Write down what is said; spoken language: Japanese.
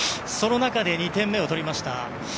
その中で２点目を取りました。